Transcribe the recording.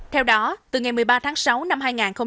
theo đó từ ngày một mươi ba tháng sáu năm hai nghìn hai mươi